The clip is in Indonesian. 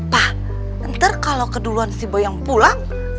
pa ntar kalau keduluan si boy yang pulang